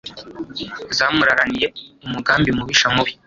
Zamuraraniye umugambi mubisha mubi